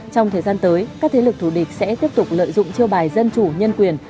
trong thời gian tới các thế lực thủ địch sẽ tiếp tục lợi dụng chiêu bài dân chủ nhân quyền